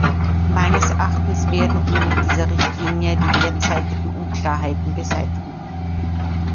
Meines Erachtens werden wir mit dieser Richtlinie die derzeitigen Unklarheiten beseitigen.